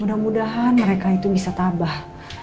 mudah mudahan mereka itu bisa tabah